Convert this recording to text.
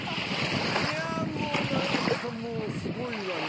いやもう何かもうすごいわね。